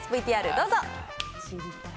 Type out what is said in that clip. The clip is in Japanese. ＶＴＲどうぞ。